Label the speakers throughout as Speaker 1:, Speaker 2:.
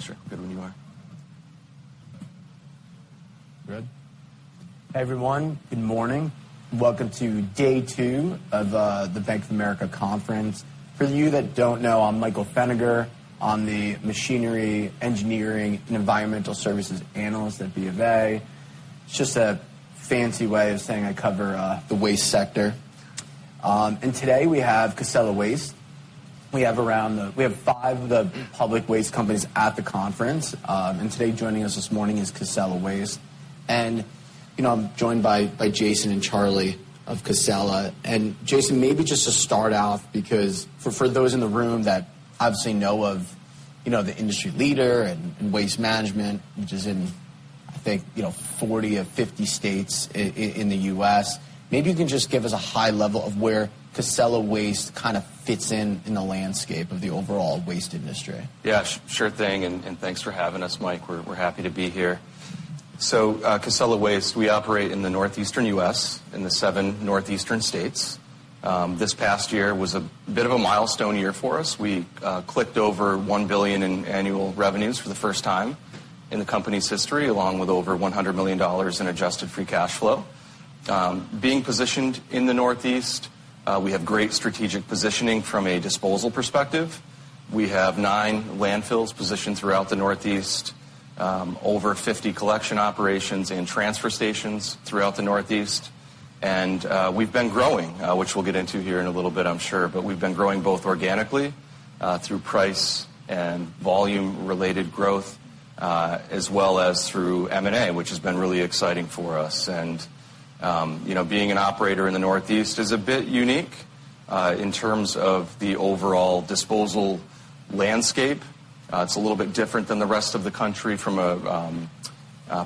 Speaker 1: Sure. Good when you are. Good? Hey, everyone. Good morning. Welcome to day two of the Bank of America conference. For you that don't know, I'm Michael Feniger. I'm the Machinery, Engineering, and Environmental Services analyst at B of A. It's just a fancy way of saying I cover the waste sector. Today, we have Casella Waste. We have five of the public waste companies at the conference. Today, joining us this morning is Casella Waste. You know, I'm joined by Jason and Charlie of Casella. Jason, maybe just to start out because for those in the room that obviously know of, you know, the industry leader and Waste Management, which is in, I think, you know, 40 of 50 states in the U.S., maybe you can just give us a high level of where Casella Waste kind of fits in the landscape of the overall waste industry.
Speaker 2: Yeah, sure thing, and thanks for having us, Mike. We're happy to be here. Casella Waste, we operate in the Northeastern U.S., in the seven Northeastern states. This past year was a bit of a milestone year for us. We clicked over $1 billion in annual revenues for the first time in the company's history, along with over $100 million in Adjusted Free Cash Flow. Being positioned in the Northeast, we have great strategic positioning from a disposal perspective. We have nine landfills positioned throughout the Northeast, over 50 collection operations and transfer stations throughout the Northeast. We've been growing, which we'll get into here in a little bit, I'm sure, but we've been growing both organically, through price and volume-related growth, as well as through M&A, which has been really exciting for us. You know, being an operator in the Northeast is a bit unique, in terms of the overall disposal landscape. It's a little bit different than the rest of the country from a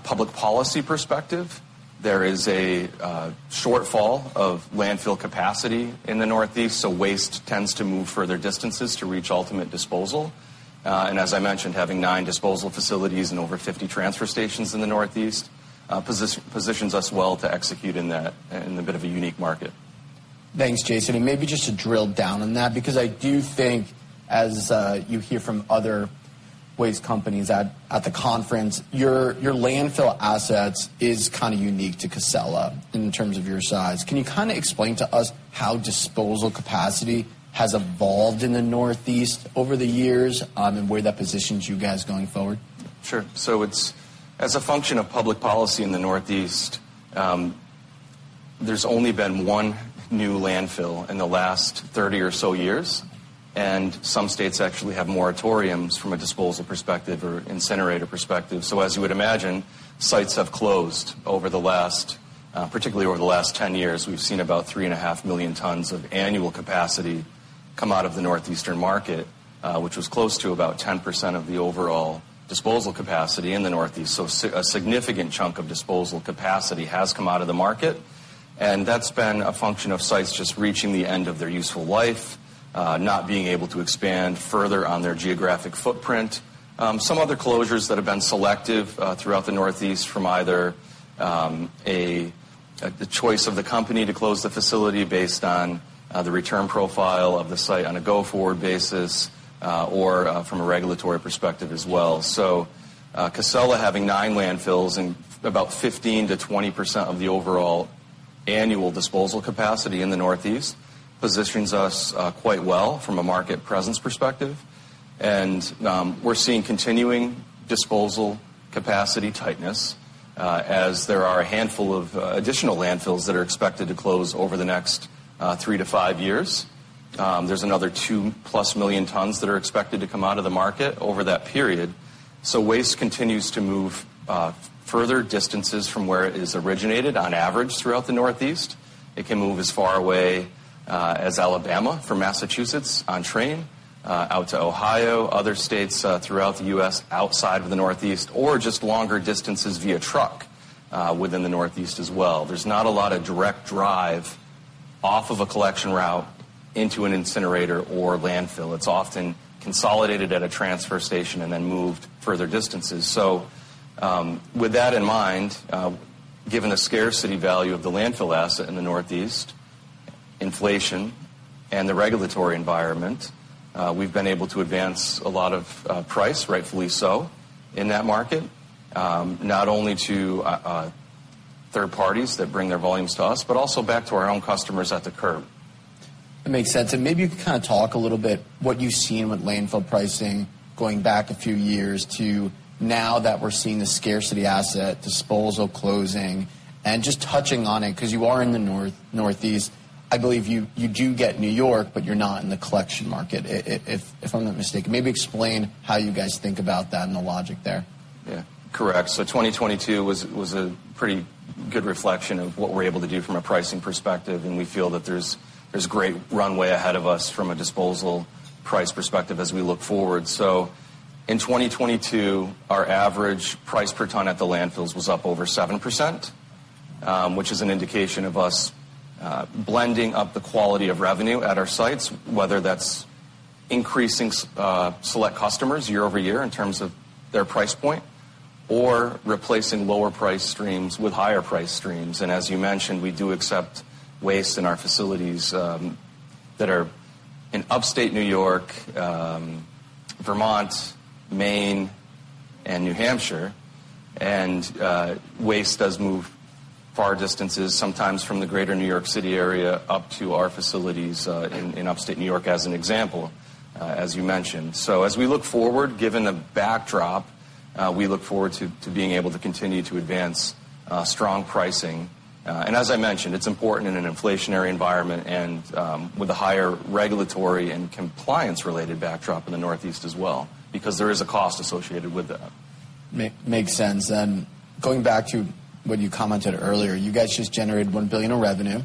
Speaker 2: public policy perspective. There is a shortfall of landfill capacity in the Northeast, waste tends to move further distances to reach ultimate disposal. As I mentioned, having nine disposal facilities and over 50 transfer stations in the Northeast, positions us well to execute in that, in a bit of a unique market.
Speaker 1: Thanks, Jason. Maybe just to drill down on that, because I do think as you hear from other waste companies at the conference, your landfill assets is kind of unique to Casella in terms of your size. Can you kind of explain to us how disposal capacity has evolved in the Northeast over the years, and where that positions you guys going forward?
Speaker 2: Sure. As a function of public policy in the Northeast, there's only been one new landfill in the last 30 or so years, and some states actually have moratoriums from a disposal perspective or incinerator perspective. As you would imagine, sites have closed over the last, particularly over the last 10 years. We've seen about three and a half million tons of annual capacity come out of the Northeastern market, which was close to about 10% of the overall disposal capacity in the Northeast. A significant chunk of disposal capacity has come out of the market, and that's been a function of sites just reaching the end of their useful life, not being able to expand further on their geographic footprint. Some other closures that have been selective throughout the Northeast from either, the choice of the company to close the facility based on the return profile of the site on a go-forward basis, or from a regulatory perspective as well. Casella having nine landfills and about 15%-20% of the overall annual disposal capacity in the Northeast positions us quite well from a market presence perspective. We're seeing continuing disposal capacity tightness as there are a handful of additional landfills that are expected to close over the next three-five years. There's another two+ million tons that are expected to come out of the market over that period. Waste continues to move further distances from where it is originated on average throughout the Northeast. It can move as far away as Alabama for Massachusetts on train out to Ohio, other states throughout the US outside of the Northeast or just longer distances via truck within the Northeast as well. There's not a lot of direct drive off of a collection route into an incinerator or landfill. It's often consolidated at a transfer station and then moved further distances. With that in mind, given the scarcity value of the landfill asset in the Northeast, inflation, and the regulatory environment, we've been able to advance a lot of price, rightfully so, in that market, not only to third parties that bring their volumes to us, but also back to our own customers at the curb.
Speaker 3: That makes sense. Maybe you can kind of talk a little bit what you've seen with landfill pricing going back a few years to now that we're seeing the scarcity asset, disposal closing, and just touching on it 'cause you are in the North-Northeast. I believe you do get New York, but you're not in the collection market if I'm not mistaken. Maybe explain how you guys think about that and the logic there?
Speaker 2: Yeah. Correct. 2022 was a pretty good reflection of what we're able to do from a pricing perspective, and we feel that there's great runway ahead of us from a disposal price perspective as we look forward. In 2022, our average price per ton at the landfills was up over 7%, which is an indication of us blending up the quality of revenue at our sites, whether that's increasing select customers year- over -year in terms of their price point or replacing lower price streams with higher price streams. As you mentioned, we do accept waste in our facilities that are in Upstate New York, Vermont, Maine, and New Hampshire. Waste does move far distances, sometimes from the Greater New York City area up to our facilities, in Upstate New York as an example, as you mentioned. As we look forward, given the backdrop, we look forward to being able to continue to advance strong pricing. As I mentioned, it's important in an inflationary environment and with a higher regulatory and compliance-related backdrop in the northeast as well, because there is a cost associated with that.
Speaker 1: Makes sense. Going back to what you commented earlier, you guys just generated $1 billion in revenue.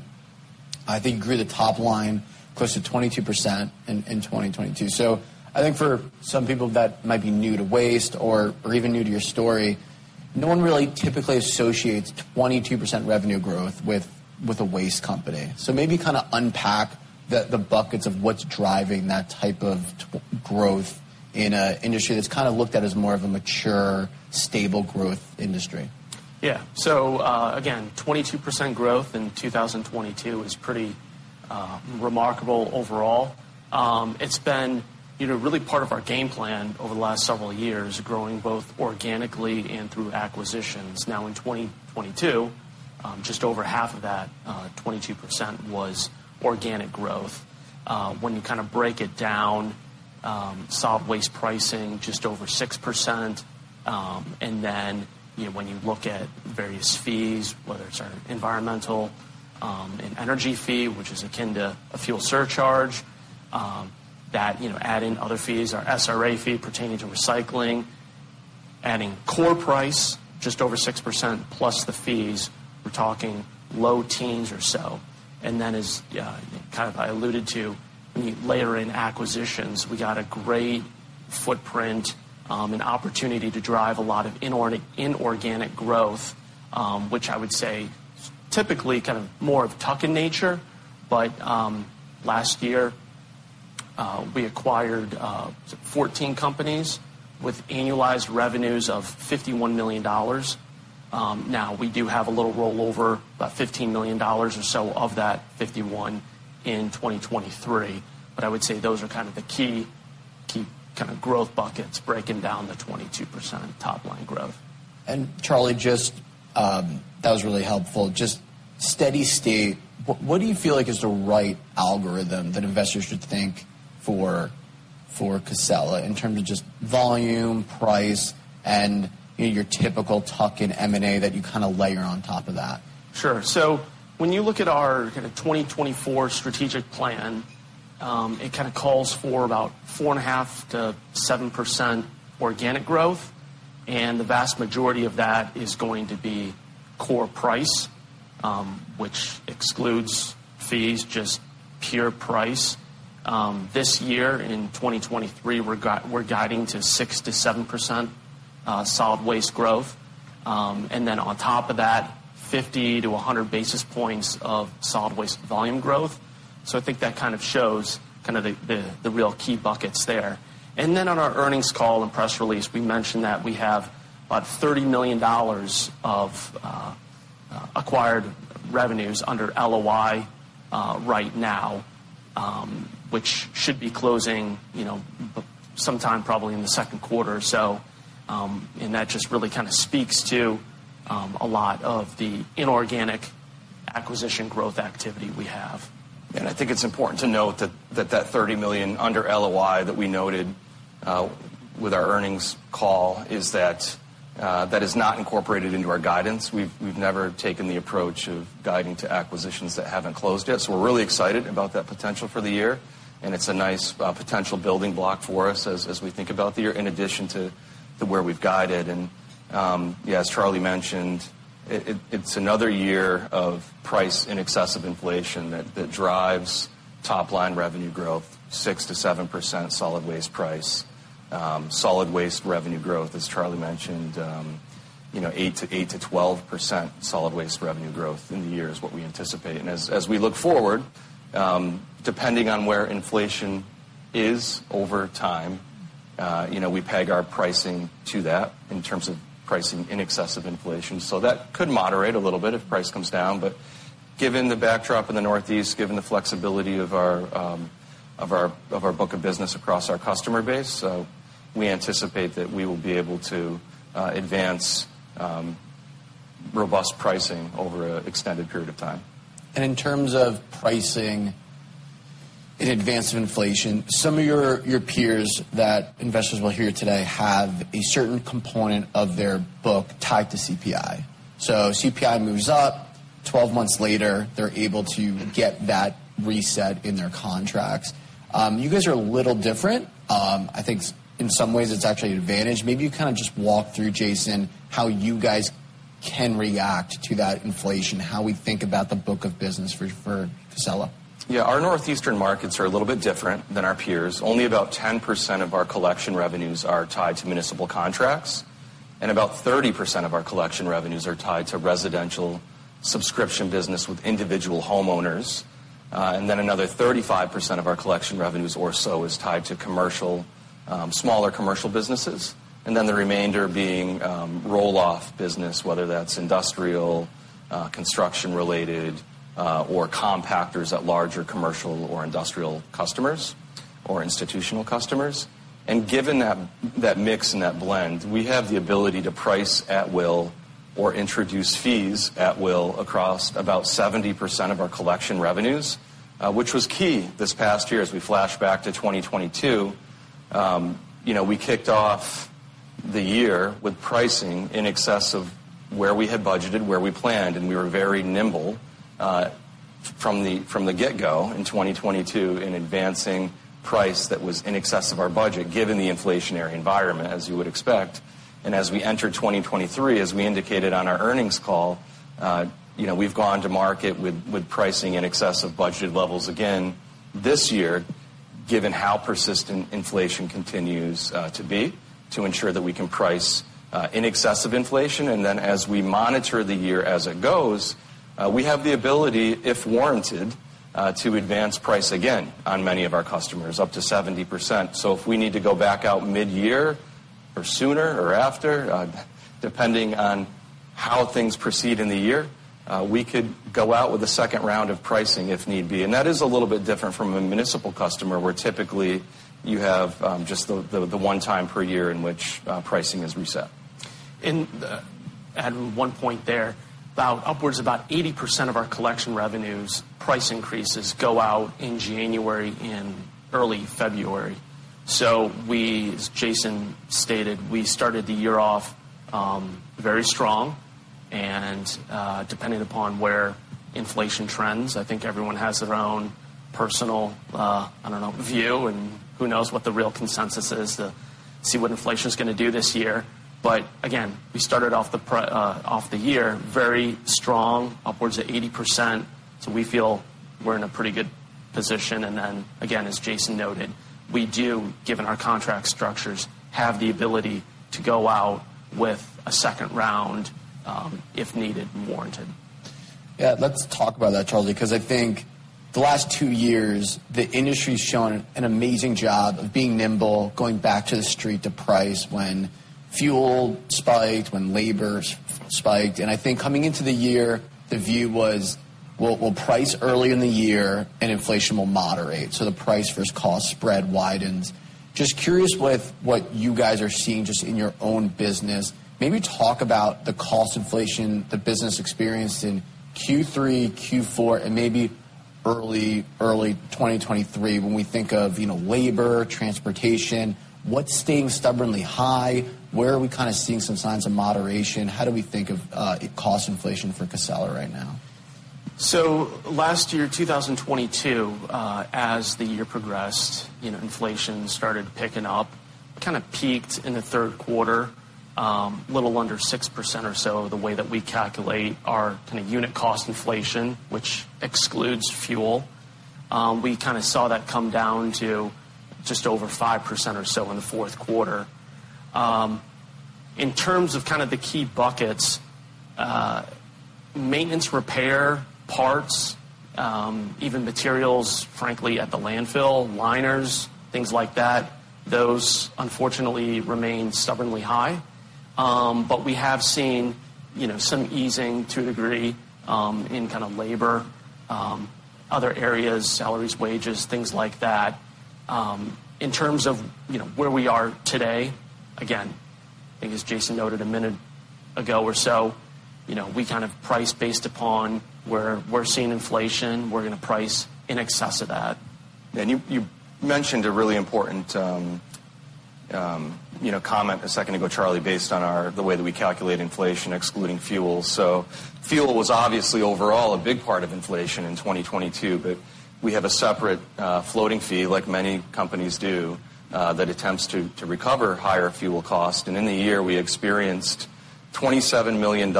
Speaker 1: I think you grew the top line close to 22% in 2022. I think for some people that might be new to waste or even new to your story, no one really typically associates 22% revenue growth with a waste company. Maybe kinda unpack the buckets of what's driving that type of growth in an industry that's kinda looked at as more of a mature, stable growth industry.
Speaker 2: Again, 22% growth in 2022 is pretty remarkable overall. It's been, you know, really part of our game plan over the last several years growing both organically and through acquisitions. In 2022, just over half of that 22% was organic growth. When you kinda break it down, solid waste pricing, just over 6%. You know, when you look at various fees, whether it's our environmental and energy fee, which is akin to a fuel surcharge, that, you know, adding other fees, our SRA fee pertaining to recycling, adding core price, just over 6% plus the fees, we're talking low teens or so. Then as kind of I alluded to, when you layer in acquisitions, we got a great footprint and opportunity to drive a lot of inorganic growth, which I would say is typically kind of more of tuck-in nature. Last year, we acquired 14 companies with annualized revenues of $51 million. Now we do have a little rollover, about $15 million or so of that $51 in 2023. I would say those are kind of the key kind of growth buckets breaking down the 22% top line growth.
Speaker 1: Charlie, just, that was really helpful. Just steady state, what do you feel like is the right algorithm that investors should think for Casella in terms of just volume, price, and, you know, your typical tuck in M&A that you kinda layer on top of that?
Speaker 2: Sure. When you look at our 2024 strategic plan, it calls for about 4.5%-7% organic growth, and the vast majority of that is going to be core price, which excludes fees, just pure price. This year in 2023, we're guiding to 6%-7% solid waste growth. On top of that, 50-100 basis points of solid waste volume growth. I think that kind of shows the real key buckets there. On our earnings call and press release, we mentioned that we have about $30 million of acquired revenues under LOI right now, which should be closing, you know, sometime probably in the second quarter or so. That just really kind of speaks to a lot of the inorganic acquisition growth activity we have. I think it's important to note that that $30 million under LOI that we noted with our earnings call is that is not incorporated into our guidance. We've never taken the approach of guiding to acquisitions that haven't closed yet. We're really excited about that potential for the year, and it's a nice potential building block for us as we think about the year, in addition to where we've guided. Yeah, as Charlie mentioned, it's another year of price in excess of inflation that drives top line revenue growth, 6%-7% solid waste price. Solid waste revenue growth, as Charlie mentioned, you know, 8%-12% solid waste revenue growth in the year is what we anticipate. As we look forward, depending on where inflation is over time, you know, we peg our pricing to that in terms of pricing in excess of inflation. That could moderate a little bit if price comes down. Given the backdrop in the northeast, given the flexibility of our book of business across our customer base, we anticipate that we will be able to advance robust pricing over an extended period of time.
Speaker 1: In terms of pricing in advance of inflation, some of your peers that investors will hear today have a certain component of their book tied to CPI. CPI moves up, 12 months later, they're able to get that reset in their contracts. You guys are a little different. I think in some ways, it's actually an advantage. Maybe you kinda just walk through, Jason, how you guys can react to that inflation, how we think about the book of business for Casella?
Speaker 2: Yeah. Our northeastern markets are a little bit different than our peers. Only about 10% of our collection revenues are tied to municipal contracts. About 30% of our collection revenues are tied to residential subscription business with individual homeowners. Then another 35% of our collection revenues or so is tied to commercial, smaller commercial businesses. Then the remainder being, roll-off business, whether that's industrial, construction-related, or compactors at larger commercial or industrial customers or institutional customers. Given that mix and that blend, we have the ability to price at will or introduce fees at will across about 70% of our collection revenues, which was key this past year as we flash back to 2022. You know, we kicked off the year with pricing in excess of where we had budgeted, where we planned, and we were very nimble from the get-go in 2022 in advancing price that was in excess of our budget, given the inflationary environment, as you would expect. As we enter 2023, as we indicated on our earnings call, you know, we've gone to market with pricing in excess of budget levels again this year, given how persistent inflation continues to be, to ensure that we can price in excess of inflation. As we monitor the year as it goes, we have the ability, if warranted, to advance price again on many of our customers, up to 70%. If we need to go back out mid-year or sooner or after, depending on how things proceed in the year, we could go out with a second round of pricing if need be. That is a little bit different from a municipal customer, where typically you have, just the one time per year in which, pricing is reset.
Speaker 3: In the adding one point there. Upwards of about 80% of our collection revenues price increases go out in January and early February. We, as Jason stated, we started the year off very strong. Depending upon where inflation trends, I think everyone has their own personal, I don't know, view, and who knows what the real consensus is to see what inflation is going to do this year. Again, we started off the year very strong, upwards of 80%. We feel we're in a pretty good position. Again, as Jason noted, we do, given our contract structures, have the ability to go out with a second round if needed and warranted.
Speaker 1: Yeah, let's talk about that, Charlie, 'cause I think the last two years, the industry's shown an amazing job of being nimble, going back to the street to price when fuel spiked, when labor spiked. I think coming into the year, the view was, we'll price early in the year and inflation will moderate, so the price versus cost spread widens. Just curious with what you guys are seeing just in your own business. Maybe talk about the cost inflation the business experienced in Q3, Q4, and maybe early 2023 when we think of, you know, labor, transportation. What's staying stubbornly high? Where are we kinda seeing some signs of moderation? How do we think of cost inflation for Casella right now?
Speaker 2: Last year, 2022, as the year progressed, you know, inflation started picking up, kind of peaked in the Q3, a little under 6% or so the way that we calculate our kinda unit cost inflation, which excludes fuel. We kinda saw that come down to just over 5% or so in the Q4. In terms of kind of the key buckets, maintenance, repair, parts, even materials, frankly at the landfill, liners, things like that, those unfortunately remain stubbornly high. We have seen, you know, some easing to a degree, in kind of labor, other areas, salaries, wages, things like that. In terms of, you know, where we are today, again, I think as Jason noted a minute ago or so, you know, we kind of price based upon where we're seeing inflation.
Speaker 3: We're gonna price in excess of that.
Speaker 2: You mentioned a really important, you know, comment a second ago, Charlie, based on the way that we calculate inflation excluding fuel. Fuel was obviously overall a big part of inflation in 2022, but we have a separate floating fee, like many companies do, that attempts to recover higher fuel cost. In the year, we experienced $27 million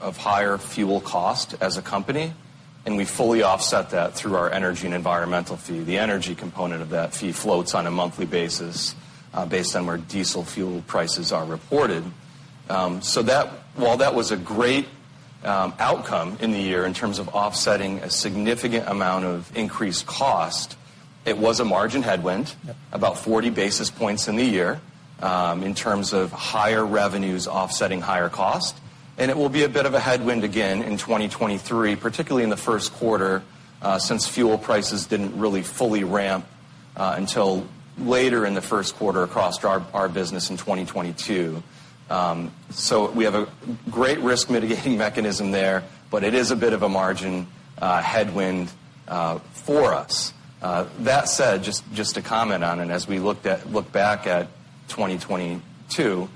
Speaker 2: of higher fuel cost as a company, and we fully offset that through our energy and environmental fee. The energy component of that fee floats on a monthly basis, based on where diesel fuel prices are reported. So that while that was a great outcome in the year in terms of offsetting a significant amount of increased cost, it was a margin headwind.
Speaker 3: Yep.
Speaker 2: about 40 basis points in the year, in terms of higher revenues offsetting higher cost. It will be a bit of a headwind again in 2023, particularly in the Q1, since fuel prices didn't really fully ramp until later in the Q1 across our business in 2022. We have a great risk mitigating mechanism there, but it is a bit of a margin headwind for us. That said, just to comment on it as we look back at 2022,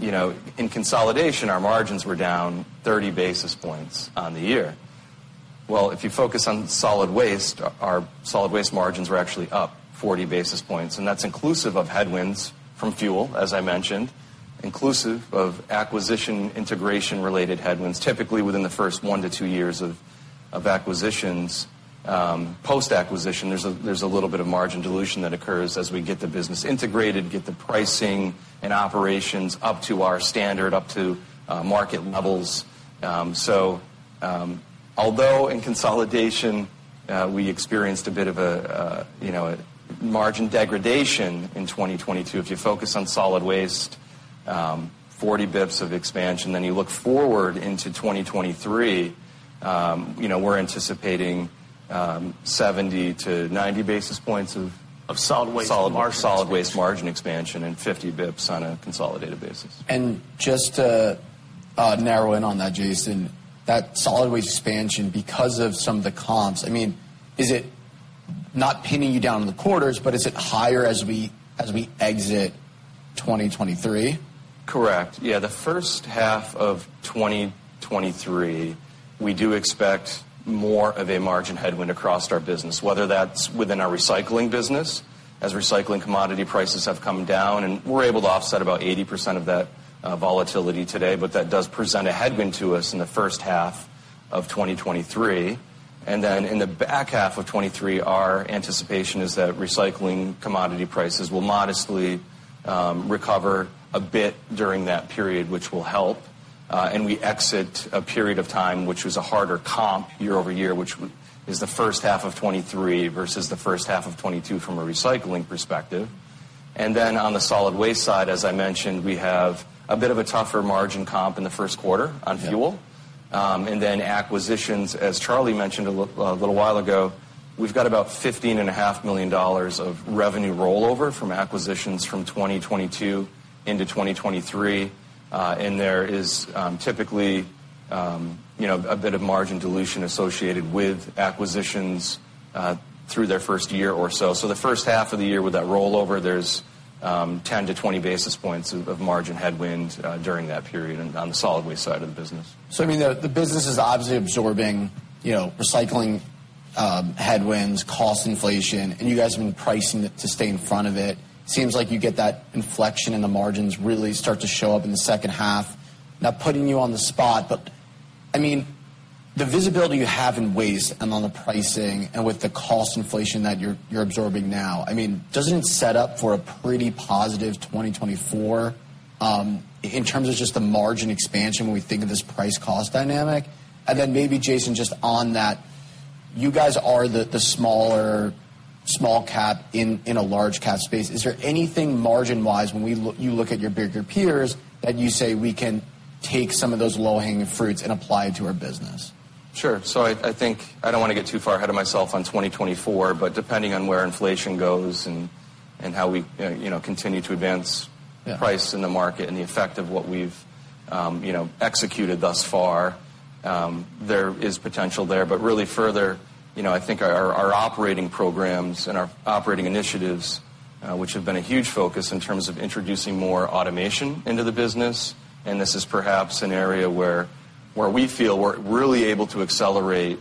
Speaker 2: you know, in consolidation, our margins were down 30 basis points on the year. If you focus on solid waste, our solid waste margins were actually up 40 basis points, and that's inclusive of headwinds from fuel, as I mentioned, inclusive of acquisition integration-related headwinds. Typically, within the first one to two years of acquisitions. Post-acquisition, there's a little bit of margin dilution that occurs as we get the business integrated, get the pricing and operations up to our standard, up to market levels. So, although in consolidation, we experienced a bit of a, you know, a margin degradation in 2022, if you focus on solid waste, 40 bps of expansion. You look forward into 2023, you know, we're anticipating 70 to 90 basis points of-
Speaker 3: Of solid waste margin expansion. solid waste margin expansion and 50 basis points on a consolidated basis.
Speaker 1: Just to narrow in on that, Jason, that solid waste expansion because of some of the comps, I mean, is it not pinning you down in the quarters, but is it higher as we, as we exit 2023?
Speaker 2: Correct. Yeah, the first half of 2023, we do expect more of a margin headwind across our business, whether that's within our recycling business, as recycling commodity prices have come down, and we're able to offset about 80% of that volatility today, but that does present a headwind to us in the first half of 2023. In the back half of 2023, our anticipation is that recycling commodity prices will modestly recover a bit during that period, which will help. We exit a period of time which was a harder comp year-over-year, which is the first half of 2023 versus the first half of 2022 from a recycling perspective. On the solid waste side, as I mentioned, we have a bit of a tougher margin comp in the Q1 on fuel. Acquisitions, as Charlie mentioned a little while ago, we've got about $15.5 million of revenue rollover from acquisitions from 2022 into 2023. There is, typically, you know, a bit of margin dilution associated with acquisitions through their first year or so. The first half of the year with that rollover, there's 10-20 basis points of margin headwind during that period on the solid waste side of the business.
Speaker 1: I mean, the business is obviously absorbing, you know, recycling headwinds, cost inflation, and you guys have been pricing it to stay in front of it. Seems like you get that inflection in the margins really start to show up in the second half. Not putting you on the spot, but I mean, the visibility you have in waste and on the pricing and with the cost inflation that you're absorbing now, I mean, doesn't it set up for a pretty positive 2024 in terms of just the margin expansion when we think of this price cost dynamic? Then maybe Jason, just on that, you guys are the smaller small cap in a large cap space. Is there anything margin-wise when you look at your bigger peers that you say we can take some of those low-hanging fruits and apply it to our business?
Speaker 2: Sure. I think I don't wanna get too far ahead of myself on 2024, but depending on where inflation goes and how we, you know, continue to advance-
Speaker 1: Yeah price in the market and the effect of what we've, you know, executed thus far, there is potential there. Really further, you know, I think our operating programs and our operating initiatives, which have been a huge focus in terms of introducing more automation into the business. This is perhaps an area where we feel we're really able to accelerate.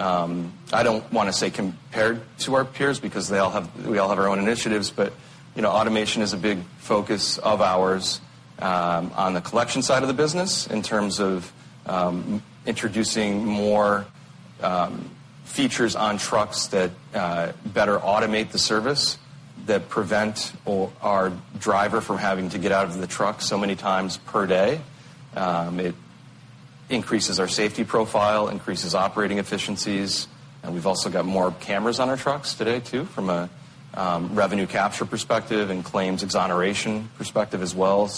Speaker 1: I don't wanna say compared to our peers because we all have our own initiatives, but, you know, automation is a big focus of ours on the collection side of the business in terms of introducing more features on trucks that better automate the service, that prevent our driver from having to get out of the truck so many times per day.
Speaker 2: It increases our safety profile, increases operating efficiencies, and we've also got more cameras on our trucks today too from a revenue capture perspective and claims exoneration perspective as well.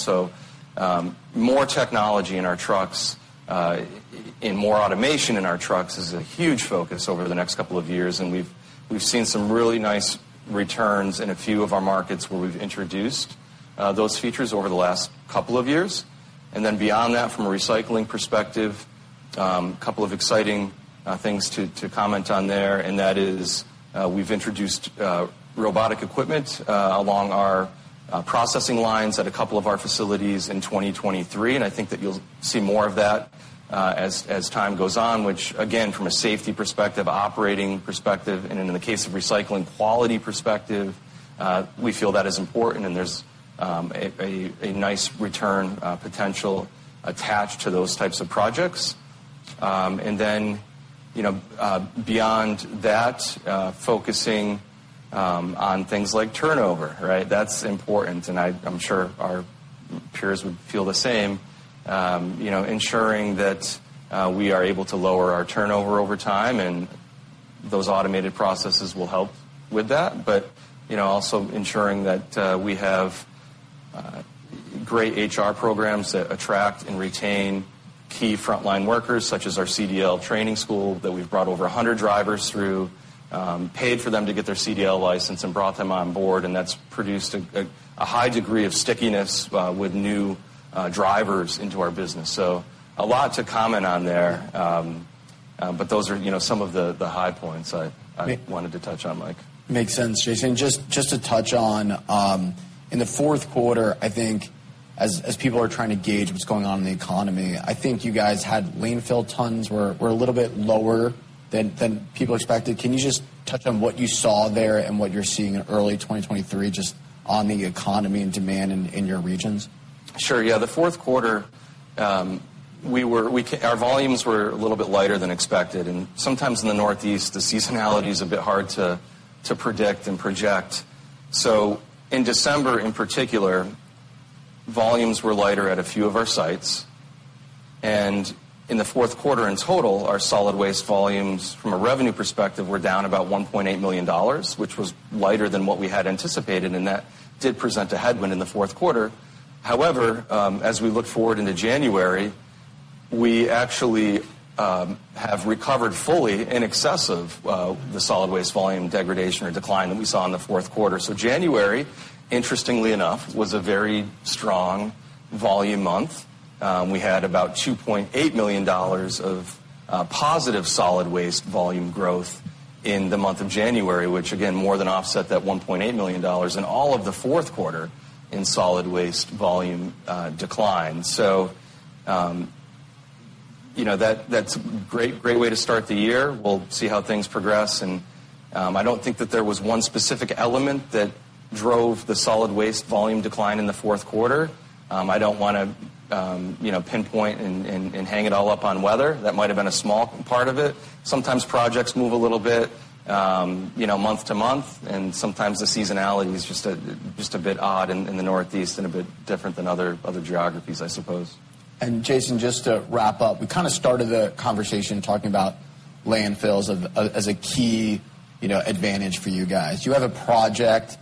Speaker 2: More technology in our trucks and more automation in our trucks is a huge focus over the next couple of years. We've seen some really nice returns in a few of our markets where we've introduced those features over the last couple of years. Beyond that, from a recycling perspective, couple of exciting things to comment on there, that is, we've introduced robotic equipment along our processing lines at a couple of our facilities in 2023. I think that you'll see more of that as time goes on, which again, from a safety perspective, operating perspective, and in the case of recycling, quality perspective, we feel that is important. There's a nice return potential attached to those types of projects. You know, beyond that, focusing on things like turnover, right? That's important, and I'm sure our peers would feel the same. You know, ensuring that we are able to lower our turnover over time, and those automated processes will help with that. You know, also ensuring that we have great HR programs that attract and retain key frontline workers, such as our CDL training school that we've brought over 100 drivers through, paid for them to get their CDL license and brought them on board, and that's produced a high degree of stickiness with new drivers into our business. A lot to comment on there. Those are, you know, some of the high points I wanted to touch on, Mike.
Speaker 1: Makes sense, Jason. Just to touch on, in the Q4, I think as people are trying to gauge what's going on in the economy, I think you guys had landfill tons were a little bit lower than people expected. Can you just touch on what you saw there and what you're seeing in early 2023 just on the economy and demand in your regions?
Speaker 2: Sure. Yeah. The Q4, Our volumes were a little bit lighter than expected, and sometimes in the Northeast, the seasonality is a bit hard to predict and project. In December, in particular, volumes were lighter at a few of our sites. In the Q4, in total, our solid waste volumes from a revenue perspective were down about $1.8 million, which was lighter than what we had anticipated, and that did present a headwind in the Q4. However, as we look forward into January, we actually have recovered fully in excess of the solid waste volume degradation or decline that we saw in the Q4. January, interestingly enough, was a very strong volume month. We had about $2.8 million of positive solid waste volume growth in the month of January, which again, more than offset that $1.8 million in all of the Q4 in solid waste volume decline. That's a great way to start the year. We'll see how things progress and I don't think that there was one specific element that drove the solid waste volume decline in the Q4. I don't wanna pinpoint and hang it all up on weather. That might have been a small part of it. Sometimes projects move a little bit month to month, and sometimes the seasonality is just a bit odd in the Northeast and a bit different than other geographies, I suppose.
Speaker 1: Jason, just to wrap up. We kind of started the conversation talking about landfills as a key, you know, advantage for you guys. Do you have a project?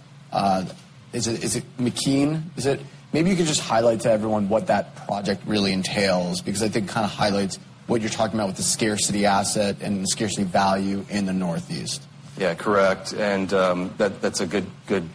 Speaker 1: Is it McKean? Is it? Maybe you could just highlight to everyone what that project really entails, because I think it kind of highlights what you're talking about with the scarcity asset and the scarcity value in the Northeast.
Speaker 2: Yeah, correct. That's a good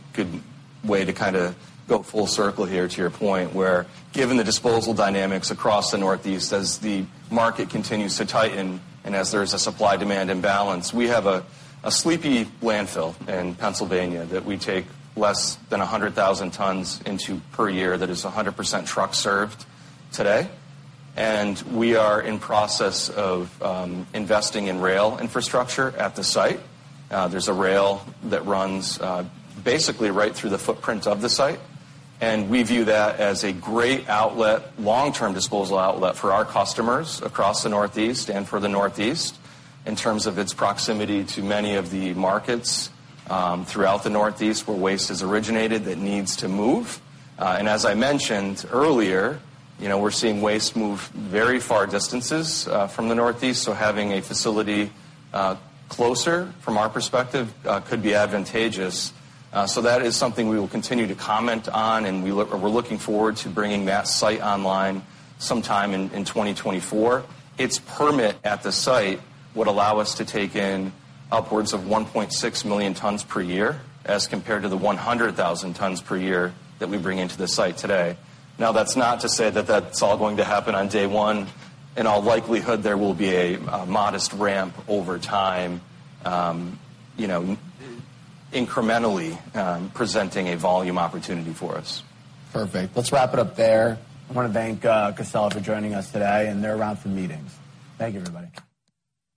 Speaker 2: way to kinda go full circle here to your point where given the disposal dynamics across the Northeast as the market continues to tighten and as there is a supply-demand imbalance, we have a sleepy landfill in Pennsylvania that we take less than 100,000 tons into per year that is 100% truck-served today. We are in process of investing in rail infrastructure at the site. There's a rail that runs basically right through the footprint of the site, and we view that as a great outlet, long-term disposal outlet for our customers across the Northeast and for the Northeast in terms of its proximity to many of the markets throughout the Northeast where waste is originated that needs to move. As I mentioned earlier, you know, we're seeing waste move very far distances from the Northeast, having a facility closer from our perspective could be advantageous. That is something we will continue to comment on, and we're looking forward to bringing that site online sometime in 2024. Its permit at the site would allow us to take in upwards of 1.6 million tons per year as compared to the 100,000 tons per year that we bring into the site today. That's not to say that that's all going to happen on day one. In all likelihood, there will be a modest ramp over time, you know, incrementally presenting a volume opportunity for us.
Speaker 1: Perfect. Let's wrap it up there. I wanna thank Casella for joining us today, and they're around for meetings. Thank you, everybody.